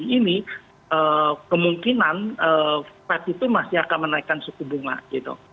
ini kemungkinan fed itu masih akan menaikkan suku bunga gitu